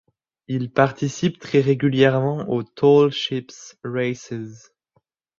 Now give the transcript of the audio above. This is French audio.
Il participe très régulièrement aux Tall Ships' Races.